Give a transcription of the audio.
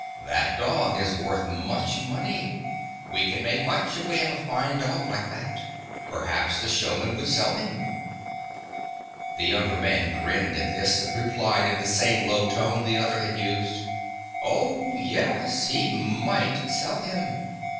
That dog is worth much money. We can make much if we have a fine dog like that. Perhaps the showman would sell him." The younger man grinned at this, and replied in the same low tone the other had used :" Oh, yes. He might sell him.